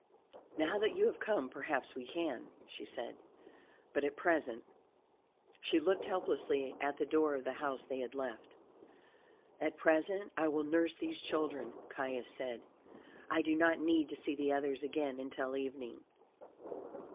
"Now that you have come, perhaps we can," she said, "but at present " She looked helplessly at the door of the house they had left. "At present I will nurse these children," Caius said. "I do not need to see the others again until evening."